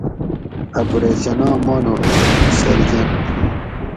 اپریشناں مانوڄ (سرجن)